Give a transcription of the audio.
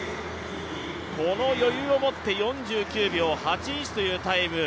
この余裕を持って、４９秒８１というタイム。